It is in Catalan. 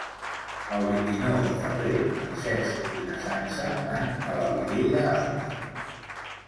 El vint-i-nou de febrer en Cesc i na Sança van a la Vilella Alta.